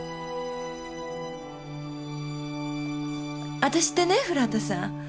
あたしってね古畑さん。